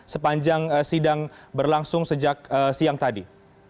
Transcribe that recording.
sepanjang sidang berlangsung sejak siang tadi